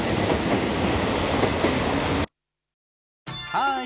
ハーイ！